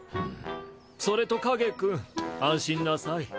それとカゲ君安心なさい。